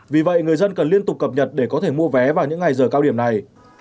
vì vậy người dân cần liên tục cập nhật để có thể mua vé vào những ngày giờ cao điểm này